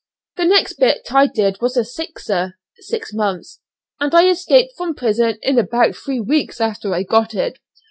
The next bit I did was a 'sixer' (six months), and I escaped from prison in about three weeks after I got it.